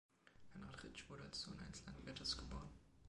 Konrad Ritsch wurde als Sohn eines Landwirtes geboren.